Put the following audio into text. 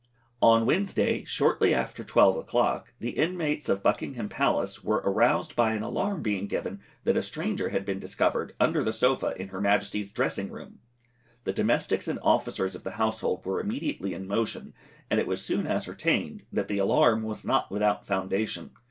On Wednesday, shortly after 12 o'clock, the inmates of Buckingham Palace were aroused by an alarm being given that a stranger had been discovered under the sofa in her Majesty's dressing room. The domestics and officers of the household were immediately in motion, and it was soon ascertained that the alarm was not without foundation.